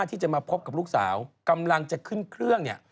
แต่ปรากฏตกเครื่อง